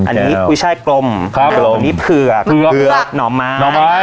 อันนี้กุ้ยไช่กลมครับกุ้ยไช่กลมอันนี้เผือกเผือกหน่อไม้หน่อไม้